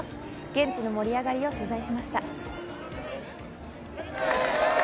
現地の盛り上がりを取材しました。